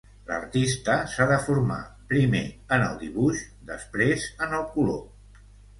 L'artista s'ha de formar, primer, en el dibuix, després en el color.